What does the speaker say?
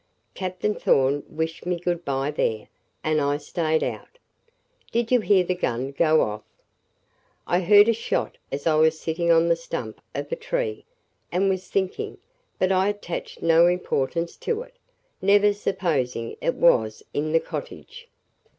Captain Thorn wished me good bye there, and I stayed out." "Did you hear the gun go off?" "I heard a shot as I was sitting on the stump of a tree, and was thinking; but I attached no importance to it, never supposing it was in the cottage."